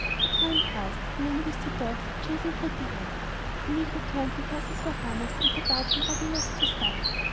The time passed, playing with the dogs and chasing Pretty Heart; when we returned the horses were harnessed and the barge in readiness to start.